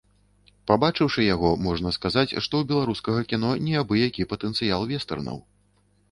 Пабачыўшы яго, можна сказаць, што ў беларускага кіно не абы-які патэнцыял вэстэрнаў.